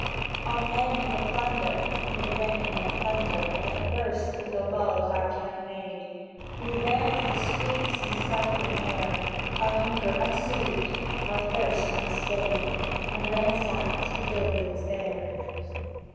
"On end for plunder, 'mid rain and thunder That burst with the lull of our cannonade, We vamped the streets in the stifling air— Our hunger unsoothed, our thirst unstayed— And ransacked the buildings there.